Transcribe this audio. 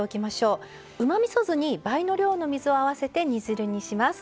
うまみそ酢に倍の量の水を合わせて煮汁にします。